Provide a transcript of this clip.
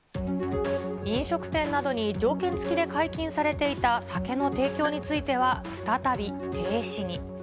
飲食店などに条件付きで解禁されていた酒の提供については再び停止に。